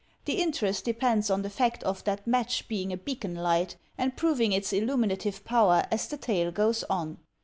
The interest depends on the fact of that match being a beacon light and proving its illuminative power as the tale goes on.